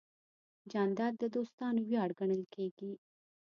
جانداد د دوستانو ویاړ ګڼل کېږي.